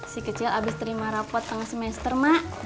si kecil abis terima rapot tanggal semester mak